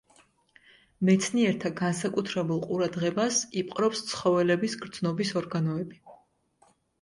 მეცნიერებთა განსაკუთრებულ ყურადღებას იპყრობს ცხოველების გრძნობის ორგანოები.